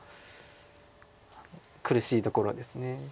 苦しいところです。